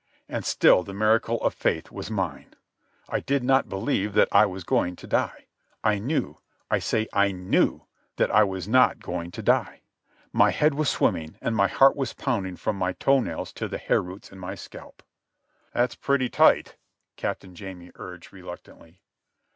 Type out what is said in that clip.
And still the miracle of faith was mine. I did not believe that I was going to die. I knew—I say I knew—that I was not going to die. My head was swimming, and my heart was pounding from my toenails to the hair roots in my scalp. "That's pretty tight," Captain Jamie urged reluctantly.